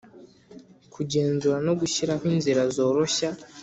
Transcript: kugenzura no gushyiraho inzira zoroshya